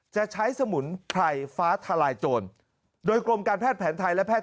จะใช้สมุนไพรฟ้าทลายโจรโดยกรมการแพทย์แผนไทยและแพท